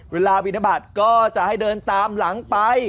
เวลาบินทบัตรก็จะให้เดินตามหลังไป